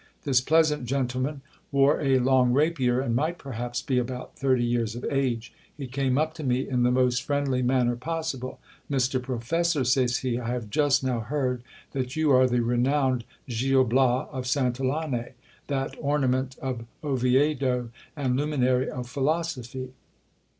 This pleasant gentleman wore a long rapier, and might, perhaps, be about thirty years of age. He came up to me in the most friendly manner possible. Mr Professor, says he, I have just now heard that you are the renowned Gil Bla* of Santillane, that ornament of Oviedo and luminary of philosophy.